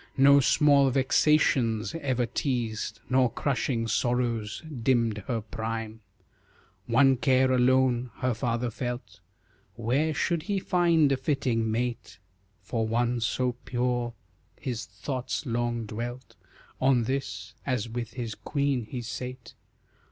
No small vexations ever teased, Nor crushing sorrows dimmed her prime. One care alone, her father felt Where should he find a fitting mate For one so pure? His thoughts long dwelt On this as with his queen he sate.